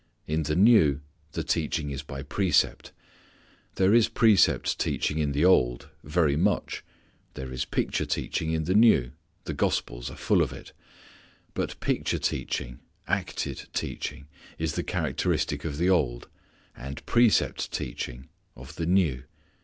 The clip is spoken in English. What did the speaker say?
In the New the teaching is by precept. There is precept teaching in the Old; very much. There is picture teaching in the New; the gospels full of it. But picture teaching, acted teaching, is the characteristic of the Old, and precept teaching of the New.